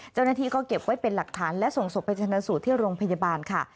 เจ้าหน้าที่ก็เก็บไว้เป็นหลักฐานและส่งศพไปชนะสูตรที่โรงพยาบาลค่ะ